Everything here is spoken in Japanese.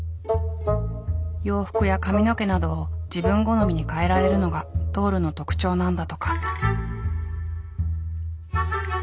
洋服や髪の毛などを自分好みに替えられるのがドールの特徴なんだとか。